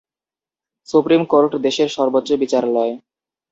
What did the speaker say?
Supreme court দেশের সর্বোচ্চ বিচারালয়।